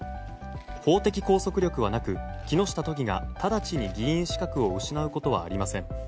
法的拘束力はなく木下都議が直ちに議員資格を失うことはありません。